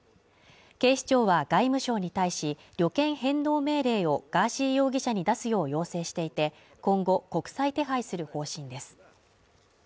警視庁は外務省に対し、旅券返納命令をガーシー容疑者に出すよう要請していて、今後、国際手配する方針です。